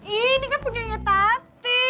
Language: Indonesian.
ini kan punya tati